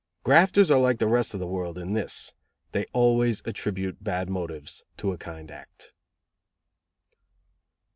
"Grafters are like the rest of the world in this: they always attribute bad motives to a kind act."